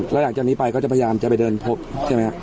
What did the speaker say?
แล้วหลังจากนี้ไปก็จะพยายามจะไปเดินพบใช่ไหมครับ